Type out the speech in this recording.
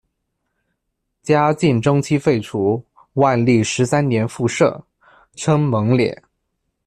嘉靖中期废除，万历十三年复设，称猛脸。